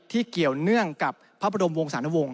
เกี่ยวเนื่องกับพระบรมวงศาลวงศ